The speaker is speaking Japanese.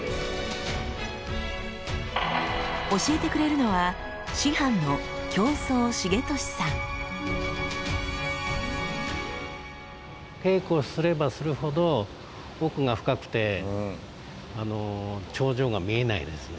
教えてくれるのは稽古をすればするほど奥が深くて頂上が見えないですね。